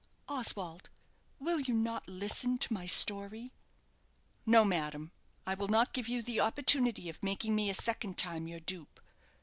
"Oswald, will you not listen to my story?" "No, madam, I will not give you the opportunity of making me a second time your dupe.